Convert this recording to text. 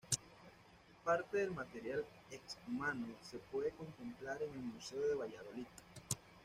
Parte del material exhumado se puede contemplar en el Museo de Valladolid.